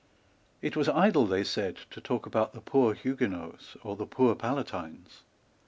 It was idle, they said, to talk about the poor Huguenots or the poor Palatines.